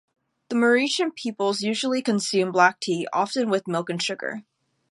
The Mauritian peoples usually consume black tea, often with milk and sugar.